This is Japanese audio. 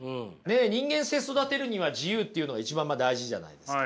人間性育てるには自由っていうのが一番大事じゃないですか。